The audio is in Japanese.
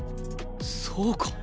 そうか！